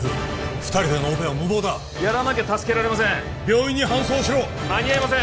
２人でのオペは無謀だやらなきゃ助けられません病院に搬送しろ間に合いません